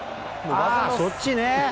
そっちね。